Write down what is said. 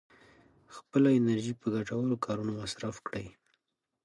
خپله انرژي په ګټورو کارونو مصرف کړئ.